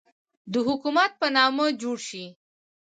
د حکومت په نامه جوړ شي.